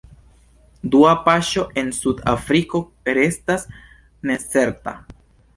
Dua paŝo en Sud-Afriko restas necerta.